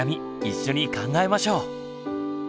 一緒に考えましょう。